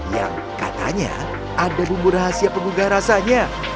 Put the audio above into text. yang katanya ada bumbu rahasia penggugah rasanya